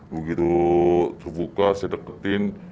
begitu terbuka saya dekatkan